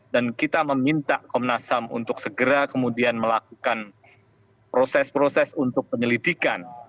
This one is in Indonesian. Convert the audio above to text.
dan kita meminta komnas ham untuk segera kemudian melakukan proses proses untuk penyelidikan